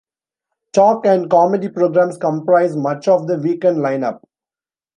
Talk and comedy programs comprise much of the weekend line-up.